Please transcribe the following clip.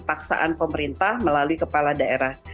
paksaan pemerintah melalui kepala daerah